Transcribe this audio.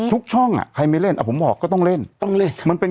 ช่องอ่ะใครไม่เล่นอ่ะผมบอกก็ต้องเล่นต้องเล่นมันเป็น